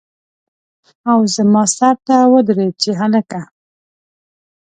او زما سر ته ودرېد چې هلکه!